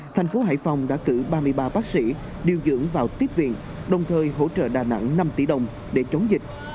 thành phố hải phòng đã cử ba mươi ba bác sĩ điều dưỡng vào tiếp viện đồng thời hỗ trợ đà nẵng năm tỷ đồng để chống dịch